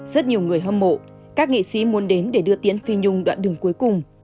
rất nhiều người hâm mộ các nghị sĩ muốn đến để đưa tiến phi nhung đoạn đường cuối cùng